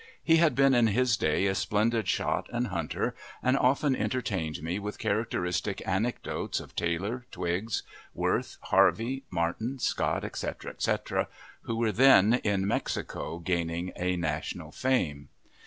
He had been in his day a splendid shot and hunter, and often entertained me with characteristic anecdotes of Taylor, Twiggs, Worth, Harvey, Martin Scott, etc., etc, who were then in Mexico, gaining a national fame.